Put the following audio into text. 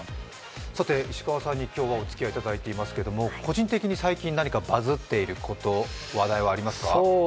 さて、石川さんに今日はおつきあいいただいてますが、個人的に最近何かにバズっていること話題はありますか？